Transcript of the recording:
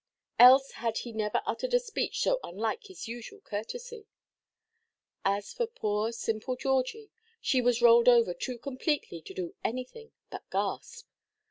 Else had he never uttered a speech so unlike his usual courtesy. As for poor simple Georgie, she was rolled over too completely to do anything but gasp.